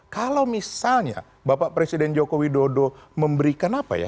kalau misalnya bapak presiden joko widodo memberikan apa ya